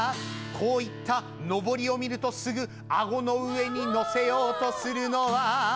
「こういったのぼりを見るとすぐ顎の上に載せようとするのは」